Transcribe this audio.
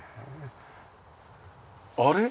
あれ？